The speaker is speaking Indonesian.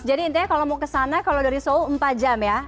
jadi intinya kalau mau kesana kalau dari seoul empat jam ya